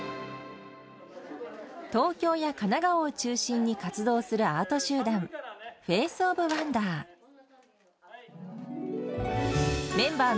東京や神奈川を中心に活動するアート集団、フェースｏｆワンダー。